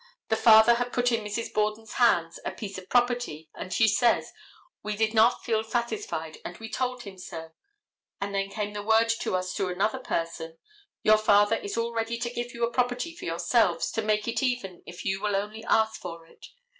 The father had put in Mrs. Borden's hands a piece of property, and she says: "we did not feel satisfied, and we told him so, and then came the word to us through another person, 'your father is all ready to give you a property for yourselves to make it even if you will only ask for it.